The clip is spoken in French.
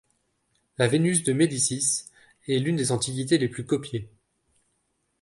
La Vénus de Médicis est l'une des antiquités les plus copiées.